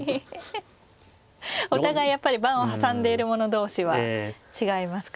お互いやっぱり盤を挟んでいる者同士は違いますか。